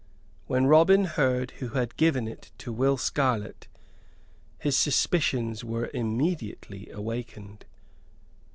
When Robin heard who had given it to Will Scarlett his suspicions were immediately awakened.